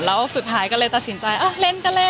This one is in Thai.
แล้วสุดท้ายก็เลยตัดสินใจเอ้าเล่นก็เล่นอะไรอย่างเงี้ย